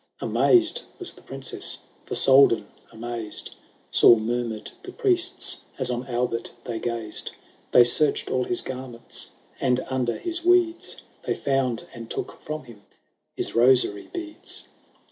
Amazed was the princess, the Soldan amazed, Sore murmured the priests as on Albert they gazed ; They searched all his garments, and, under his weeds, They found, and took from him, his rosary beads.